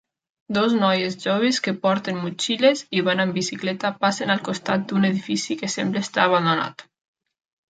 Dues noies joves que porten motxilles i van amb bicicleta passen al costat d'un edifici que sembla estar abandonat.